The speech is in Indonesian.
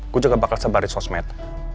gue juga bakal sebaris sosmed